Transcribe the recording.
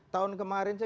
tahun kemarin saja